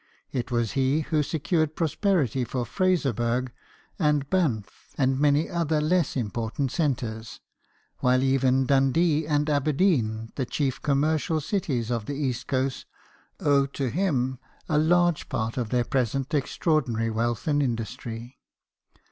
It was he who secured prosperity for Fraser burgh, and Banff, and many other less impor tant centres ; while even Dundee and Aberdeen, the chief commercial cities of the east coast, owe to him a large part of their present ex traordinary wealth and industry.